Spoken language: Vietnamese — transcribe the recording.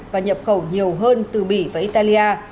và nhập khẩu nhiều hơn từ bỉ và italia